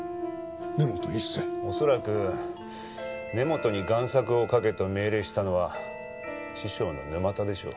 恐らく根本に贋作を描けと命令したのは師匠の沼田でしょう。